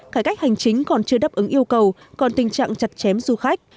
cải cách hành chính còn chưa đáp ứng yêu cầu còn tình trạng chặt chém du khách